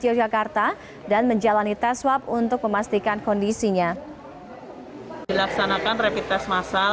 ketika asn menangani rapid test masal petugas bpbd akan menjalani rapid test masal